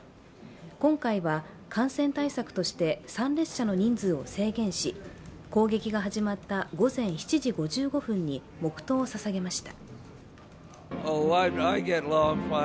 今回は感染対策として参列者の人数を制限し攻撃が始まった午前７時５５分に黙とうをささげました。